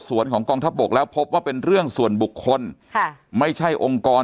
ส่วนของกองทัพบกแล้วพบว่าเป็นเรื่องส่วนบุคคลค่ะไม่ใช่องค์กร